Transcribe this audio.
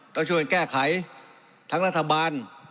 ก็ช่วยแก้ไขทั้งรัฐบาล